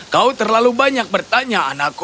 kau terlalu banyak bertanya anakku